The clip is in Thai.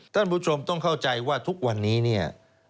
ท่านผู้ชมต้องเข้าใจว่าทุกวันนี้เนี่ย